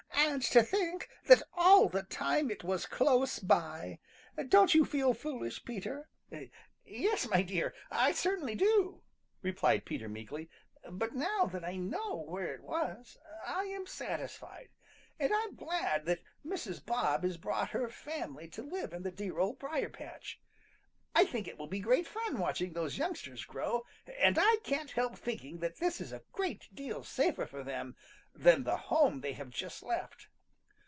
And to think that all the time it was close by! Don't you feel foolish, Peter?" "Yes, my dear, I certainly do," replied Peter meekly. "But now that I know where it was I am satisfied. And I'm glad that Mrs. Bob has brought her family to live in the dear Old Briar patch. I think it will be great fun watching those youngsters grow, and I can't help thinking that this is a great deal safer for them than the home they have just left."